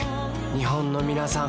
日本のみなさん